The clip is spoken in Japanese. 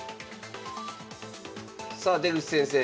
さあ出口先生